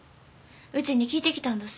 うちに聞いてきたんどす。